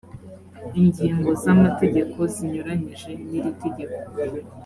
ingingo z amategeko zinyuranyije n iri tegeko